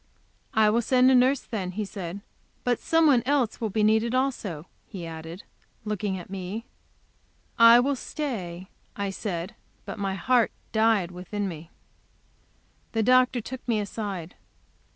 "I will send a nurse, then," he said. "But some one else will be needed also," he added, looking at me. "I will stay," I said. But my heart died within me. The doctor took me aside.